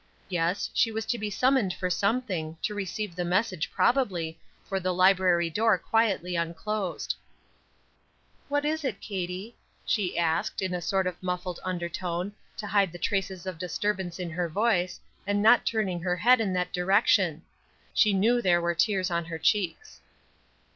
Yes, she was to be summoned for something, to receive the message probably, for the library door quietly unclosed. "What is it, Katie?" she asked, in a sort of muffled undertone, to hide the traces of disturbance in her voice, and not turning her head in that direction; she knew there were tears on her cheeks.